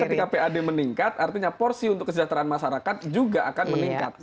betul dan kuncinya ketika pad meningkat artinya porsi untuk kesejahteraan masyarakat juga akan meningkat